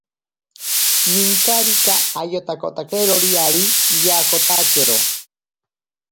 Ninkarika oyatakotakerori ari yaakotakero.